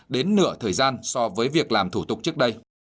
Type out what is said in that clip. đến nửa thời gian so với việc làm thủ tục trước đây